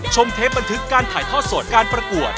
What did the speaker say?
เทปบันทึกการถ่ายทอดสดการประกวด